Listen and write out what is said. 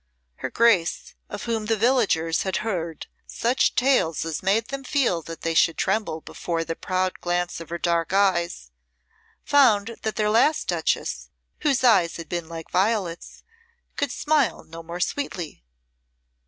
Her Grace, of whom the villagers had heard such tales as made them feel that they should tremble before the proud glance of her dark eyes, found that their last Duchess, whose eyes had been like violets, could smile no more sweetly.